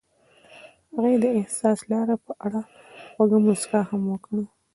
هغې د حساس لاره په اړه خوږه موسکا هم وکړه.